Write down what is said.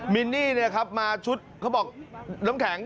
มินนี่เนี่ยครับมาชุดเขาบอกน้ำแข็ง